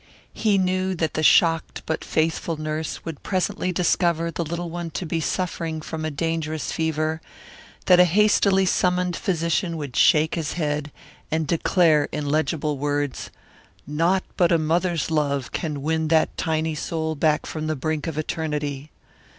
He knew that the shocked but faithful nurse would presently discover the little one to be suffering from a dangerous fever; that a hastily summoned physician would shake his head and declare in legible words, "Naught but a mother's love can win that tiny soul back from the brink of Eternity."